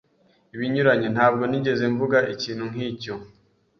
Ibinyuranye, ntabwo nigeze mvuga ikintu nk'icyo.